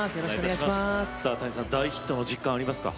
さあＴａｎｉさん大ヒットの実感ありますか？